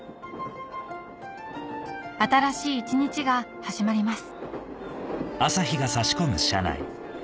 新しい一日が始まります